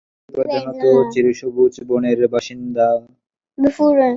বেগুনি কোকিল প্রধানত চিরসবুজ বনের বাসিন্দা।